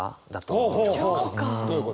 どういうこと？